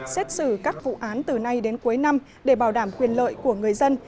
xét xử các vụ án từ nay đến cuối năm để bảo đảm quyền lợi của người dân